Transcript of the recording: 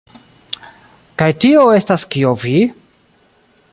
Kaj tio estas kio vi?